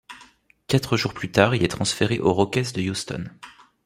Quatre jours plus tard, il est transféré aux Rockets de Houston.